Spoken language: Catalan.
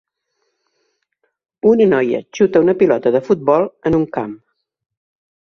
Una noia xuta una pilota de futbol en un camp.